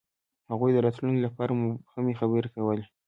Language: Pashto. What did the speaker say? هغوی د راتلونکي لپاره مبهمې خبرې کولې.